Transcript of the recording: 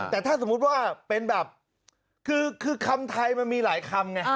แต่ถ้าสมมุติว่าเป็นแบบคือคำไทยมันมีหลายคำไง